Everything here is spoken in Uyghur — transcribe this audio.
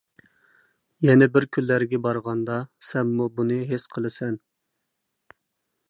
يەنە بىر كۈنلەرگە بارغاندا سەنمۇ بۇنى ھېس قىلىسەن.